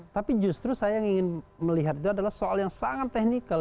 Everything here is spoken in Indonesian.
tapi justru saya ingin melihat itu adalah soal yang sangat technical